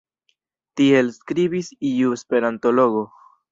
Tiel skribis iu esperantologo.